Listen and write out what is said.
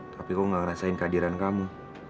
tapi kok gak ngerasain kehadiran kamu